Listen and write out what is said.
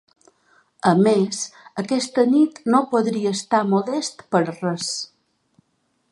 A més, aquesta nit no podria estar molest per res.